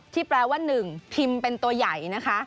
แปลว่า๑พิมพ์เป็นตัวใหญ่นะคะ